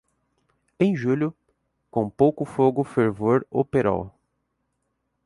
Em julho, com pouco fogo ferver o perol.